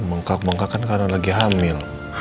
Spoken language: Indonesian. bengkak bengkakan karena lagi hamil